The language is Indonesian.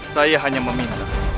saya hanya meminta